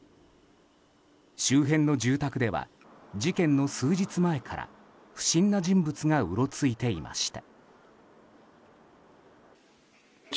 周辺の住宅では事件の数日前から不審な人物がうろついていました。